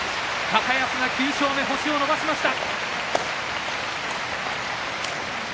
高安が９勝目、星を伸ばしました。